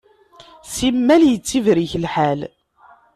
Simmal yettibrik lḥal.